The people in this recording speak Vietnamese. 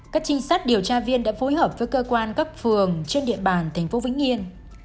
các trinh sát điều tra viên đã phối hợp với cơ quan cấp phường trên địa bàn tp vĩnh yên